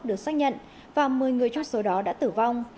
được xác nhận và một mươi người trong số đó đã tử vong